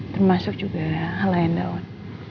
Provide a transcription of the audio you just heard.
termasuk juga hal lain daun